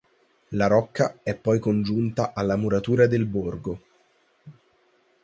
La rocca è poi congiunta alla muratura del borgo.